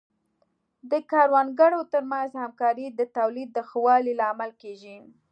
د کروندګرو ترمنځ همکاري د تولید د ښه والي لامل کیږي.